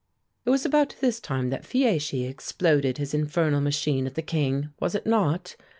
"It was about this time that Fieschi exploded his infernal machine at the King, was it not?"